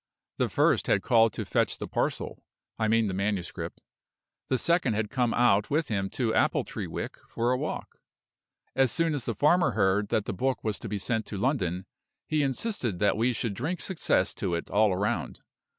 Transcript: The first had called to fetch the parcel I mean the manuscript; the second had come out with him to Appletreewick for a walk. As soon as the farmer heard that the book was to be sent to London, he insisted that we should drink success to it all round.